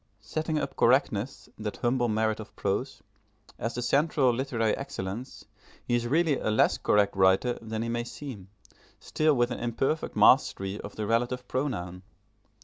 Setting up correctness, that humble merit of prose, as the central literary excellence, he is really a less correct writer than he may seem, still with an imperfect mastery of the relative pronoun.